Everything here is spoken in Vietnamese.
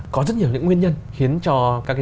có rất nhiều những nguyên nhân khiến cho các cái